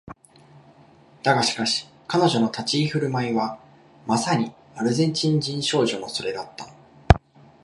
だがしかし彼女の立ち居振る舞いはまさにアルゼンチン人少女のそれだった